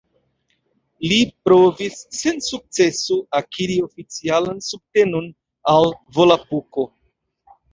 Li provis, sen sukceso, akiri oficialan subtenon al Volapuko.